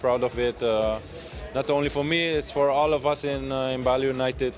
bukan hanya untuk saya tapi untuk semua kita di bali united